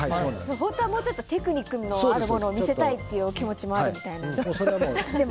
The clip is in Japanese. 本当はもうちょっとテクニックのあるところを見せたいというお気持ちもあるみたいなんですが。